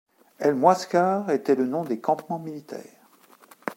El mouascar était le nom des campements militaires.